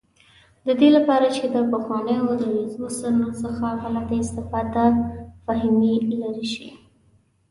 د دې لپاره چې د پخوانیو دریځونو په اړه غلط فهمي لرې شي.